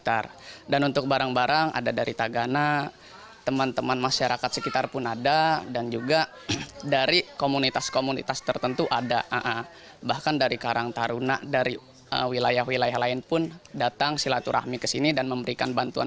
mardika prakasa satya jakarta